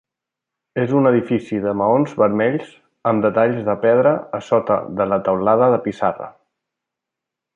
És un edifici de maons vermells amb detall de pedra a sota de la teulada de pissarra.